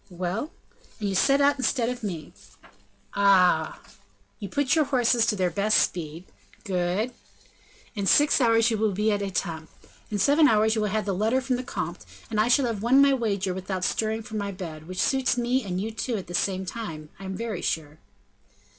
"Well?" "And you set out instead of me." "Ah!" "You put your horses to their best speed." "Good!" "In six hours you will be at Etampes; in seven hours you have the letter from the comte, and I shall have won my wager without stirring from my bed, which suits me and you too, at the same time, I am very sure."